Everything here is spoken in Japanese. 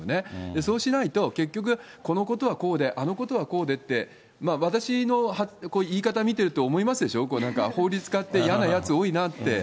そうしないと結局、このことはこうで、あのことはこうでって、私の言い方見てると思いますでしょ、なんか、法律家って嫌な奴多いなって。